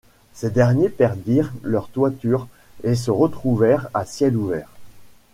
Ces derniers perdirent leur toiture et se retrouvèrent à ciel ouvert.